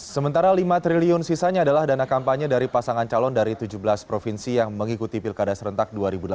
sementara lima triliun sisanya adalah dana kampanye dari pasangan calon dari tujuh belas provinsi yang mengikuti pilkada serentak dua ribu delapan belas